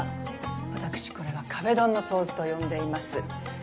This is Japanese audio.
私これは壁ドンのポーズと呼んでいます。